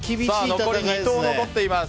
残り２投残っています。